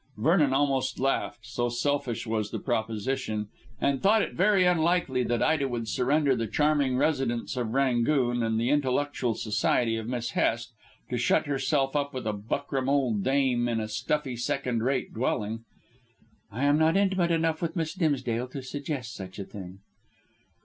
Vernon almost laughed, so selfish was the proposition, and thought it very unlikely that Ida would surrender the charming residence of "Rangoon" and the intellectual society of Miss Hest, to shut herself up with a buckram old dame in a stuffy, second rate dwelling. "I am not intimate enough with Miss Dimsdale to suggest such a thing."